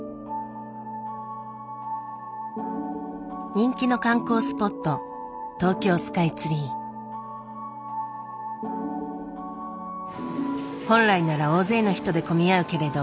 人気の観光スポット本来なら大勢の人で混み合うけれど